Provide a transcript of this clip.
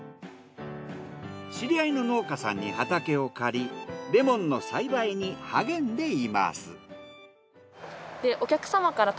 知り合いの農家さんに畑を借りレモンの栽培に励んでいます。